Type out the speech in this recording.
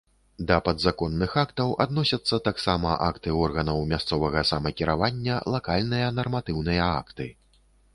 Да падзаконных актаў адносяцца таксама акты органаў мясцовага самакіравання, лакальныя нарматыўныя акты.